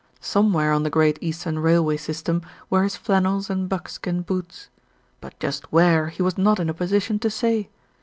Somewhere on the Great Eastern Railway sys tem were his flannels and buckskin boots; but just where he was not in a position to say.